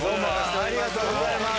ありがとうございます。